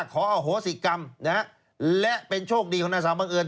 ขออโหสิกรรมนะฮะและเป็นโชคดีของนางสาวบังเอิญ